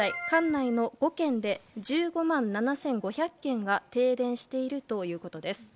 管内の５県で１５万７５００軒が停電しているということです。